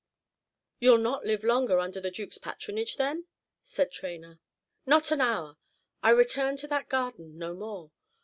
"You 'll not live longer under the Duke's patronage, then?" said Traynor. "Not an hour. I return to that garden no more.